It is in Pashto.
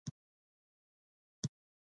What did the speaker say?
طبیعت به هغې ته فزیکي بڼه او جوړښت ورکړي